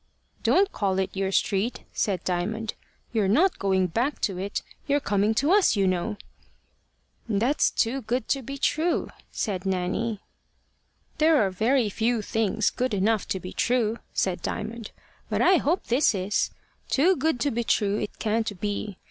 "Don't call it your street," said Diamond. "You're not going back to it. You're coming to us, you know." "That's too good to be true," said Nanny. "There are very few things good enough to be true," said Diamond; "but I hope this is. Too good to be true it can't be.